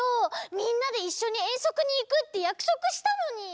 みんなでいっしょにえんそくにいくってやくそくしたのに！